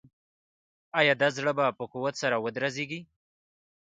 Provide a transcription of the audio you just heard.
آیا دا زړه به په قوت سره ودرزیږي؟